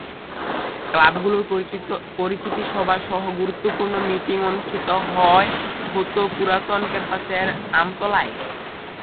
ক্লাবগুলোর পরিচিতি সভা সহ গুরুত্বপূর্ণ মিটিং অনুষ্ঠিত হত পুরাতন ক্যাম্পাসের আমতলায়।